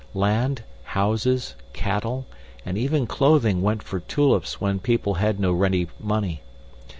Land, houses, cattle, and even clothing went for tulips when people had no ready money.